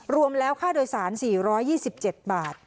รวมแล้วค่าโดยสาร๔๒๗บาท